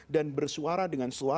dan bersuara dengan seluruh orang